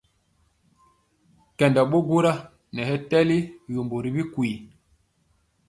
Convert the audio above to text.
Kɛndɔ ɓo gwora nɛ hɛ tɛli yombo ri bikwi sɛŋ.